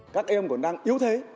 các em còn đang yếu thế